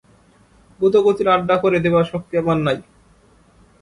গুঁতোগুঁতির আড্ডা করে দেবার শক্তি আমার নাই।